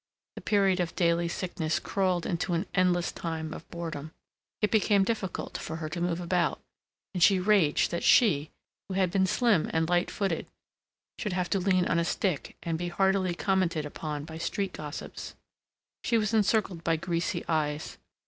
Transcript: The period of daily sickness crawled into an endless time of boredom. It became difficult for her to move about, and she raged that she, who had been slim and light footed, should have to lean on a stick, and be heartily commented upon by street gossips. She was encircled by greasy eyes.